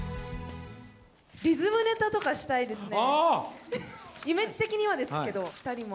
リズムネタとかしたいですね。